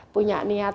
punya niat baik